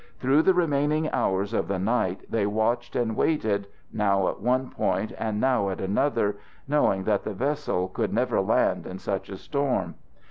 Through the remaining hours of the night they watched and waited, now at one point, and now at another, knowing that the vessel could never land in such a storm.